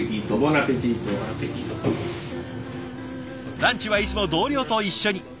ランチはいつも同僚と一緒に。